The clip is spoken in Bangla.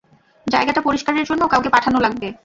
জায়গাটা পরিষ্কারের জন্য কাউকে পাঠানো লাগবে।